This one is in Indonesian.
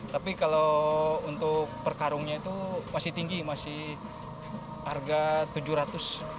tapi kalau untuk per karungnya itu masih tinggi masih harga rp tujuh ratus